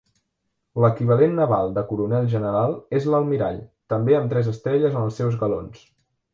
L'equivalent naval de Coronel General és l'Almirall, també amb tres estrelles en els seus galons.